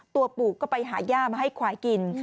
ปู่ก็ไปหาย่ามาให้ควายกิน